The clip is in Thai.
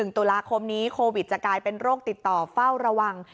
๑ตุลาคมนี้โควิดจะกลายเป็นโรคติดต่อเฝ้าระวัง